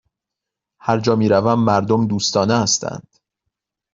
هرجا می روم، مردم دوستانه هستند.